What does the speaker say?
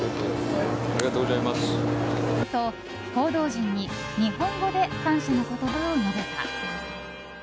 と、報道陣に日本語で感謝の言葉を述べた。